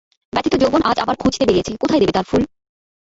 ব্যথিত যৌবন আজ আবার খুঁজতে বেরিয়েছে, কোথায় দেবে তার ফুল!